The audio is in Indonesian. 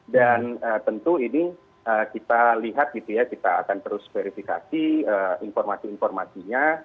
tentu ini kita lihat gitu ya kita akan terus verifikasi informasi informasinya